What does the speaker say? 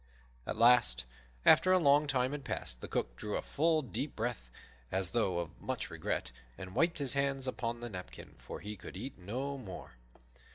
At last, after a long time had passed, the Cook drew a full, deep breath, as though of much regret, and wiped his hands upon the napkin, for he could eat no more.